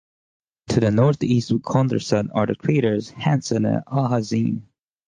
To the northeast of Condorcet are the craters Hansen and Alhazen.